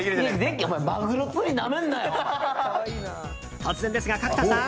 突然ですが、角田さん！